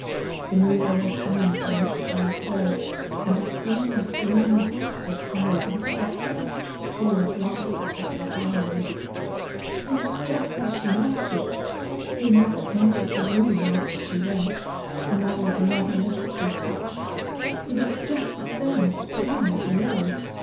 The needle was hanging from it by a thread, and a skein of green worsted hung over the top, Paula glanced at it inquiringly. "It is just as she left it! He never entered the room after she went and I would never let it be touched. It is just the same with the piano below.